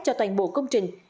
cho toàn bộ công trình